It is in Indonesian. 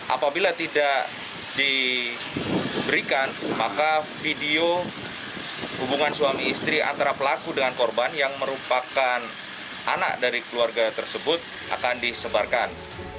apabila tidak diberikan maka video hubungan suami istri antara pelaku dengan korban yang merupakan anak dari keluarga tersebut akan disebarkan